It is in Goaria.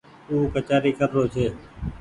او ڪچآري ڪر رو ڇي۔